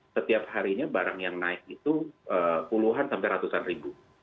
setiap harinya barang yang naik itu puluhan sampai ratusan ribu